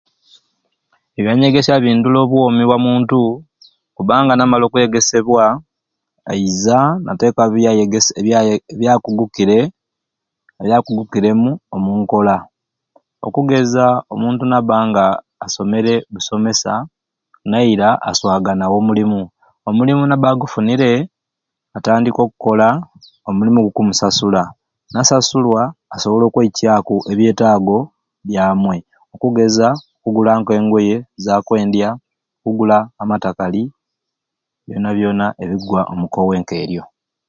Ebyanyegesya bindula obwoomi bwa muntu kubanga namala okwegesebwa aiza nateeka byayegese byaye byakugukire byakugukiremu omunkola okugeza omuntu nabba nga asomere business naira aswaganirawo omulimu omulimu nabba afunire atandika okkola omulimu ogukumusasula nasasulwa asobola okweicaaku ebyetaago byamwe okugeza okugula ke ngoye, zakwendya, okugula amatakali byoona byoona ebikugwa omu koowa ka eryo.